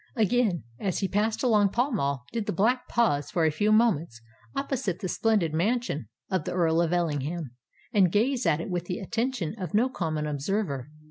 Again, as he passed along Pall Mall, did the Black pause for a few moments opposite the splendid mansion of the Earl of Ellingham, and gaze at it with the attention of no common observer.